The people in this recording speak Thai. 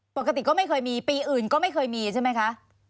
ปกติก็ไม่เคยมีปีอื่นก็ไม่เคยมีใช่ไหมคะ